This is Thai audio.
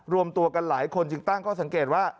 รวมตัวกันหลายคนจึงตั้งข้อสังเกตว่า